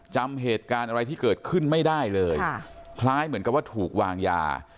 จำเหตุการณ์อะไรที่เกิดขึ้นไม่ได้เลยคล้ายเหมือนกับว่าถูกวางยา